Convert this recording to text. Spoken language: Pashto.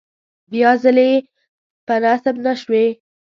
بیا ځلې په نصیب نشوې.